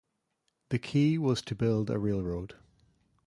The key was to build a railroad.